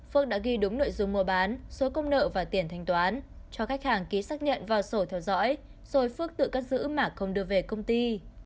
phước đã ghi đúng nội dung mua bán số công nợ và tiền thanh toán cho khách hàng ký xác nhận vào sổ theo dõi rồi phước tự cất giữ mà không đưa về công ty